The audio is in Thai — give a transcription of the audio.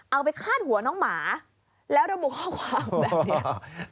เอาไปคาดหัวน้องหมาแล้วระบุข้อความแบบนี้